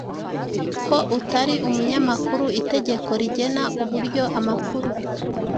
Ko utari umunyamakuru itegeko rigena uburyo amakuru